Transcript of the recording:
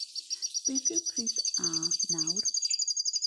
Beth yw pris “A” nawr?